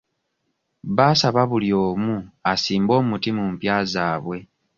Baasaba buli omu asimbe omuti mu mpya zaabwe.